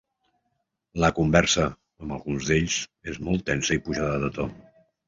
La conversa, amb alguns d’ells, és molt tensa i pujada de to.